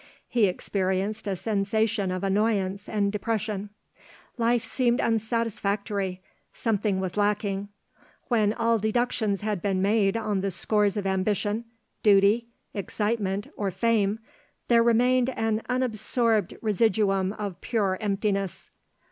He experienced a sensation of annoyance and depression. Life seemed unsatisfactory; something was lacking. When all deductions had been made on the scores of ambition, duty, excitement, or fame, there remained an unabsorbed residuum of pure emptiness.